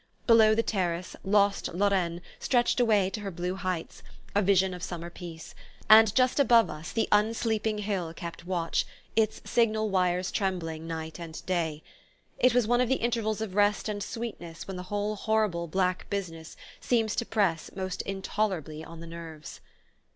Below the terrace, lost Lorraine stretched away to her blue heights, a vision of summer peace: and just above us the unsleeping hill kept watch, its signal wires trembling night and day. It was one of the intervals of rest and sweetness when the whole horrible black business seems to press most intolerably on the nerves.